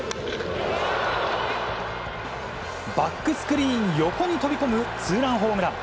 バックスクリーン横に飛び込むツーランホームラン。